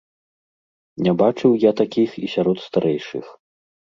Не бачыў я такіх і сярод старэйшых.